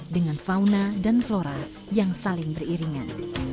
dengan fauna dan flora yang saling beriringan